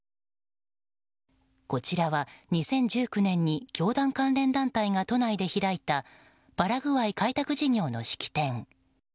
こちらは２０１９年に教団関連団体が都内で開いたパラグアイ開拓事業の式典。